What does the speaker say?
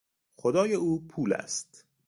خدای او پول است.